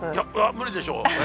無理でしょう。